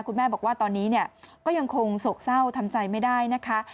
คุณแม่บอกว่าตอนนี้เนี่ยก็ยังคงโศกเศร้าทำใจไม่ได้นะคะ